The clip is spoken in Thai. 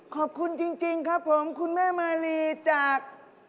ขอบคุณจริงครับผมคุณแม่มาลีจาก